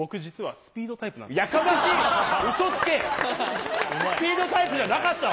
スピードタイプじゃなかったわ。